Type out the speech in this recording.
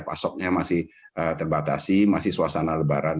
pasoknya masih terbatasi masih suasana lebaran